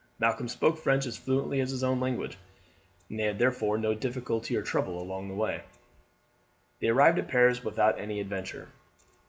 Malcolm spoke French as fluently as his own language, and they had therefore no difficulty or trouble on the way. They arrived at Paris without any adventure.